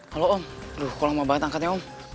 halo om aduh kurang banget angkatnya om